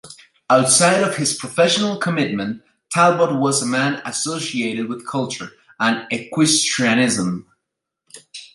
Outside of his professional commitment, Talbot was a man associated with culture and equestrianism.